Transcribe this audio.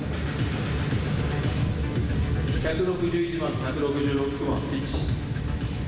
１６１番と１６６番スイッチ。